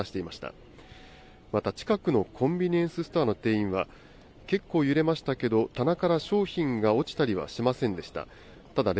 また、近くのコンビニエンスストアの店員は、結構揺れましたけど、棚から商品が落ちたりはしませんでした。